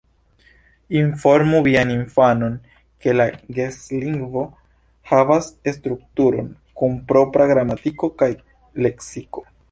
Informu vian infanon, ke la gestlingvo havas strukturon, kun propra gramatiko kaj leksiko.